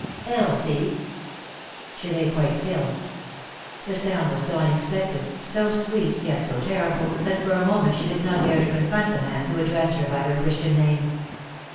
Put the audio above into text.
" Elsie I" She lay quite still. The sound was so unex pected, so sweet, yet so terrible, that for a moment she did not dare to confront the man who addressed her by her Christian name.